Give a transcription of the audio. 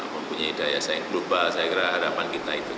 mempunyai daya saing global saya kira harapan kita itu